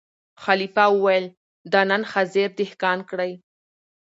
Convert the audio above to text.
خلیفه ویل دا نن حاضر دهقان کړی